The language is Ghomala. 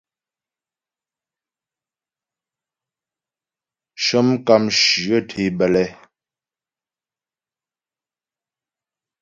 Shə́ mkàmshyə tě bə́lɛ.